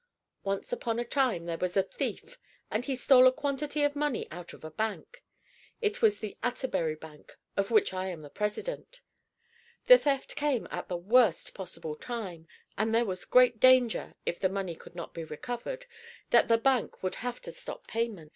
Once upon a time there was a thief, and he stole a quantity of money out of a bank. It was the Atterbury Bank, of which I am the president. The theft came at the worst possible time, and there was great danger, if the money could not be recovered, that the bank would have to stop payment.